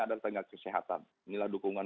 adalah ternyata kesehatan inilah dukungan